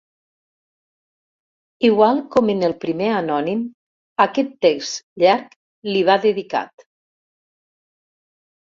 Igual com en el primer anònim, aquest text llarg li va dedicat.